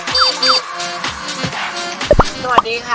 เดี๋ยวดูไม่เล่นกับเรา